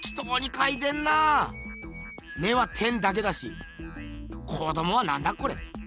目は点だけだし子どもはなんだこれ？